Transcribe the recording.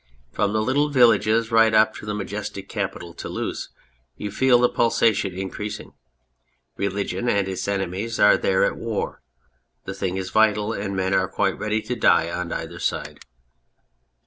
From the little villages right up to the majestic capital, Toulouse, you feel the pulsation increasing. Religion and its enemies are there at war. The thing is vital, and men are quite ready to die on either side.